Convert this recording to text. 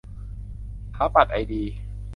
ถาปัตย์ไอดี